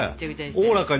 おおらか３！